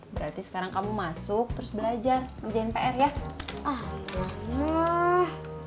berarti sekarang kamu masuk terus belajar ngejain pr ya allah maaf